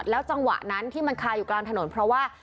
จังหวะนั้นที่มันคาอยู่กลางถนนเพราะว่า